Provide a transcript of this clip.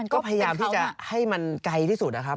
ก็พยายามที่จะให้มันไกลที่สุดนะครับ